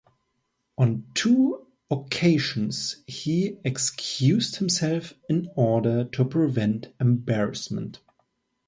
On two occasions he excused himself in order to prevent embarrassment.